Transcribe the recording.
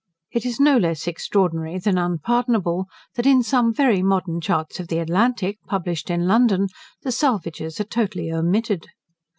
It is no less extraordinary than unpardonable, that in some very modern charts of the Atlantic, published in London, the Salvages are totally omitted.